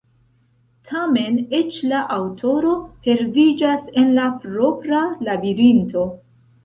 Tamen, eĉ la aŭtoro perdiĝas en la propra labirinto.